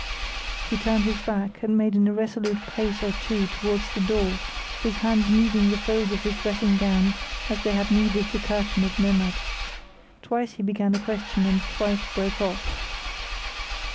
He turned his back, and made an irresolute pace or two towards the door, his hands kneading the folds of his dressing gown as they had kneaded the curtain at Memmert. Twice he began a question and twice broke off.